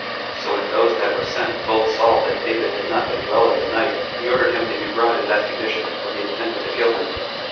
So when those that were sent told Saul that David had not been well in the night he ordered him to be brought in that condition, for he intended to kill him.